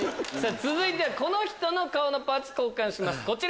続いてはこの人の顔のパーツ交換しますこちら。